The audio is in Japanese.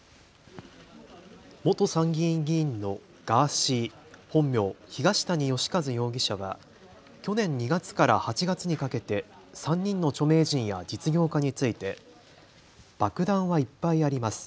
元参議院議員のガーシー、本名、東谷義和容疑者は去年２月から８月にかけて３人の著名人や実業家について爆弾はいっぱいあります。